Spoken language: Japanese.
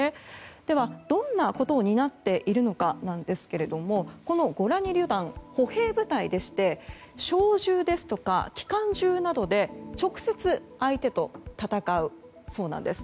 では、どんなことを担っているのかなんですがこのゴラニ旅団、歩兵部隊でして小銃ですとか機関銃などで直接相手と戦うそうなんです。